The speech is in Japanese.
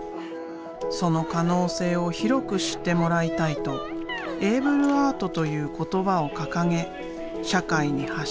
その可能性を広く知ってもらいたいとエイブル・アートという言葉を掲げ社会に発信してきた。